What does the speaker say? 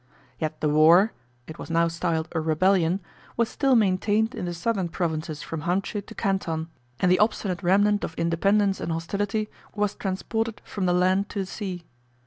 Yet the war (it was now styled a rebellion) was still maintained in the southern provinces from Hamcheu to Canton; and the obstinate remnant of independence and hostility was transported from the land to the sea.